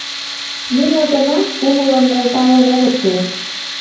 Нуно гына кумылым нӧлталын огыт керт.